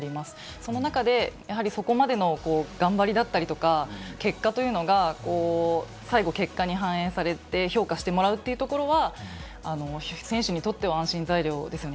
その中でやはり、そこまでの頑張りだったりとか、結果というのが、最後、結果に反映されて評価してもらうというところは、選手にとっては安心材料ですよね。